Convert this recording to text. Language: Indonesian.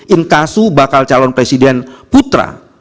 inkasu bakal calon presiden putra